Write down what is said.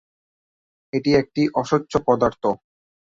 এটি একটি অস্বচ্ছ পদার্থ।